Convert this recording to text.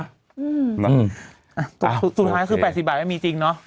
สุดท้ายคือ๘๐บาทไม่มีจริงเนอะ